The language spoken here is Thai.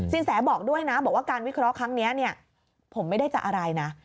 แสบอกด้วยนะบอกว่าการวิเคราะห์ครั้งนี้ผมไม่ได้จะอะไรนะ